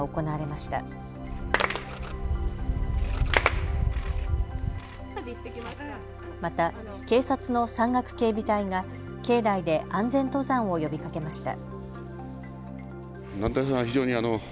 また警察の山岳警備隊が境内で安全登山を呼びかけました。